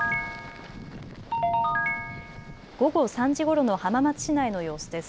午後３時ごろの浜松市内の様子です。